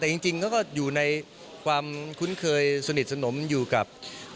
แต่จริงเขาก็อยู่ในความคุ้นเคยสนิทสนมอยู่กับ